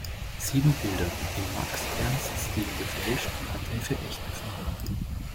Sieben Bilder, im Max-Ernst-Stil gefälscht, hatte er für echt befunden.